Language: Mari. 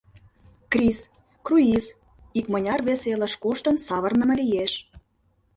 Крис — круиз, икмыняр вес элыш коштын савырныме лиеш.